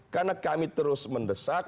karena kami terus mendesak